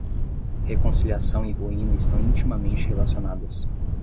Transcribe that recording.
Reconciliação e ruína estão intimamente relacionadas.